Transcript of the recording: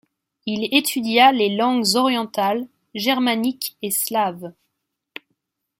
Il étudia les langues orientales, germaniques et slaves.